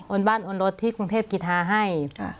บ้านโอนรถที่กรุงเทพกีธาให้